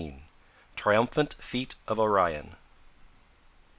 Triumphant Feat of Orion.